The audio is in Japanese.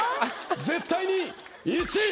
絶対に１位！